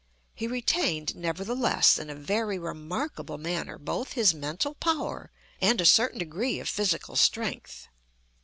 He retained, nevertheless, in a very remarkable manner, both his mental power and a certain degree of physical strength.